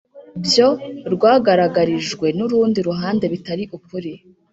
byo rwagaragarijwe n urundi ruhande bitari ukuri